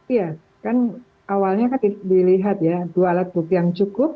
iya kan awalnya kan dilihat ya dua alat bukti yang cukup